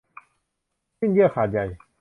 สิ้นเยื่อขาดใย